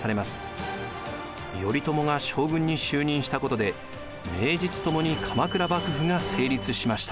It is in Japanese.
頼朝が将軍に就任したことで名実ともに鎌倉幕府が成立しました。